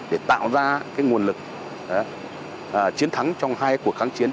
để tạo ra nguồn lực chiến thắng trong hai cuộc kháng chiến